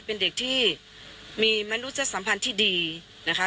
เป็นเด็กที่มีมนุษยสัมพันธ์ที่ดีนะคะ